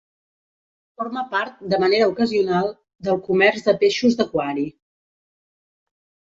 Forma part, de manera ocasional, del comerç de peixos d'aquari.